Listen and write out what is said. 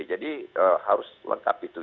jadi harus lengkap itu